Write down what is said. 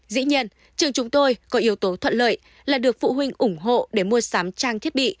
dĩ nhiên trường chúng tôi có yếu tố thuận lợi là được phụ huynh ủng hộ để mua sắm trang thiết bị